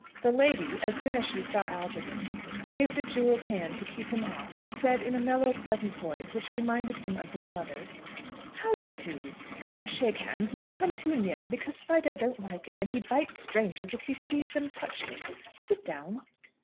The lady, as soon as she saw Algernon, waved a jewelled hand to keep him off, and said, in a mellow, pleasant voice, which reminded him of his mother's, "How d'ye do? Don't shake hands, nor come too near, because Fido don't like it, and he bites strangers if he sees them touch me. Sit down."